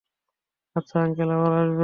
আচ্ছা, আঙ্কেল আবার আসবেন।